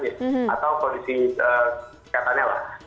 atau kondisi kesehatannya lah